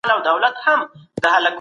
د هغې غونډې خبري ډېري مهمي وې.